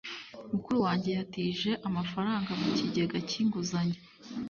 Mukuru wanjye yatije amafaranga mu kigega cy'inguzanyo.